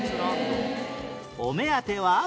お目当ては